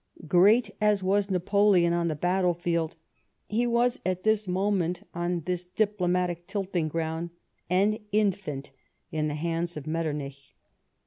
Great as was Napoleon on the battlefield, he was, at this moment, on this diplomatic tilting ground, an infant in the hands of Metternich.